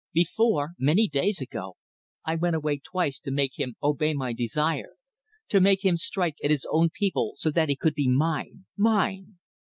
Before many days ago I went away twice to make him obey my desire; to make him strike at his own people so that he could be mine mine!